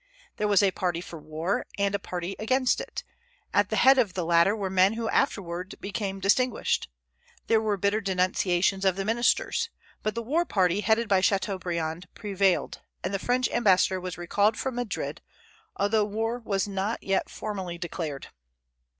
There was a party for war and a party against it; at the head of the latter were men who afterward became distinguished. There were bitter denunciations of the ministers; but the war party headed by Chateaubriand prevailed, and the French ambassador was recalled from Madrid, although war was not yet formally declared.